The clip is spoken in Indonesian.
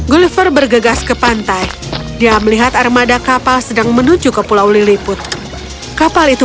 gulliver bergegas ke pantai dia melihat armada kapal sedang menuju ke pulau liliput kapal itu